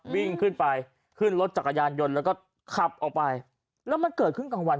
วิ่งขึ้นไปขึ้นรถจักรยานยนต์แล้วก็ขับออกไปแล้วมันเกิดขึ้นกลางวัน